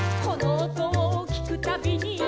「この音をきくたびに」